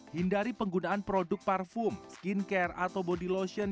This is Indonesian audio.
hindari penggunaan produk parfum skincare atau body lotion